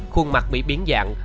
khuôn mặt bị biến dạng